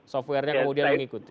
software nya kemudian mengikuti